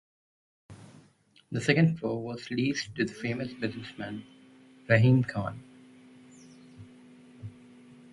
The second floor was leased to the famous businessman Rahim khan.